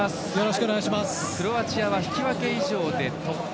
クロアチアは引き分け以上で突破。